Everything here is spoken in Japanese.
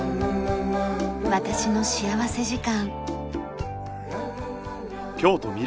『私の幸福時間』。